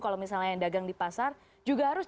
kalau misalnya yang dagang di pasar juga harus